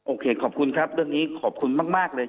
โอเคขอบคุณครับเรื่องนี้ขอบคุณมากเลย